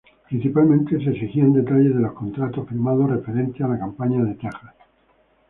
Principalmente se exigían detalles de los contratos firmados referentes a la campaña de Texas.